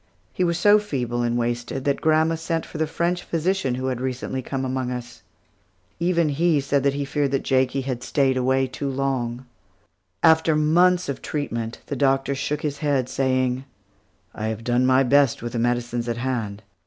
He was so feeble and wasted that grandma sent for the French physician who had recently come among us. Even he said that he feared that Jakie had stayed away too long. After months of treatment, the doctor shook his head saying: "I have done my best with the medicines at hand.